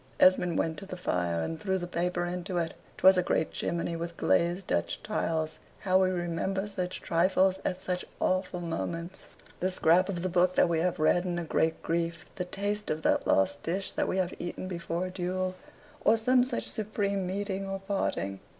Esmond went to the fire, and threw the paper into it. 'Twas a great chimney with glazed Dutch tiles. How we remember such trifles at such awful moments! the scrap of the book that we have read in a great grief the taste of that last dish that we have eaten before a duel, or some such supreme meeting or parting.